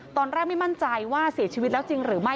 ตอนแรกไม่มั่นใจว่าเสียชีวิตแล้วจริงหรือไม่